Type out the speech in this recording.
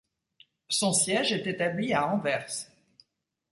Son siège est établi à Anvers.